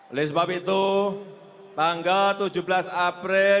oleh sebab itu tanggal tujuh belas april dua ribu sembilan belas